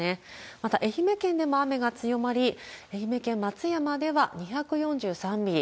また愛媛県でも雨が強まり、愛媛県松山では２４３ミリ。